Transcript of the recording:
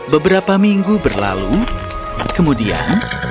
beberapa minggu berlalu kemudian